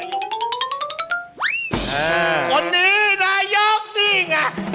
คนนี้นายกนี่ไง